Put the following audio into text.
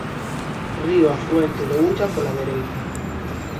Río afluente do Ulla pola dereita.